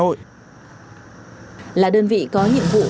là đơn vị có nhiệm vụ